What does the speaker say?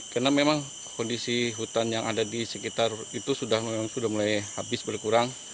karena memang kondisi hutan yang ada di sekitar itu sudah mulai habis berkurang